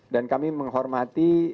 dan kami menghormati